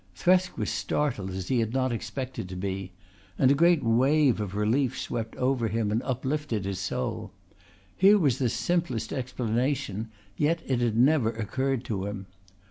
Thresk was startled as he had not expected to be; and a great wave of relief swept over him and uplifted his soul. Here was the simplest explanation, yet it had never occurred to him.